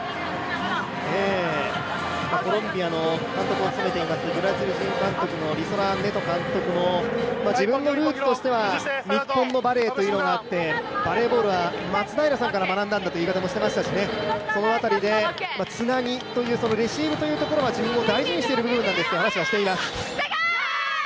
コロンビアの監督を務めていますブラジル人監督のリソラ・ネト監督も自分のルーツとしては日本のバレーというのがあって、バレーボールは松平さんから学んだということも言っていまして、その辺りで、つなぎというレシーブというところが自分も大事にしている部分なんですという話をしています。